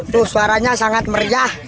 tuh suaranya sangat meriah